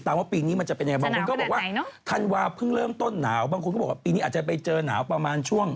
กำลังจะบอกว่าทุกวันนี้เขาไม่ให้ทำแล้ว